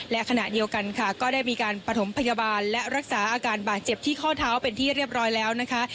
และขณะเดียวกันค่ะก็ได้มีการประถมพยาบาลและรักษาอาการบาดเจ็บที่ข้อเท้าเป็นที่เรียบร้อยแล้วนะคะ